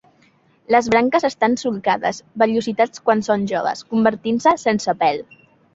Les branques estan solcades, vellositats quan són joves, convertint-se sense pèl.